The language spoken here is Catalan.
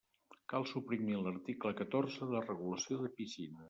Cal suprimir l'article catorze de regulació de piscines.